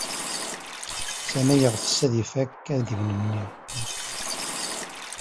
Sami yeɣtes ad ifak adiwenni-nni.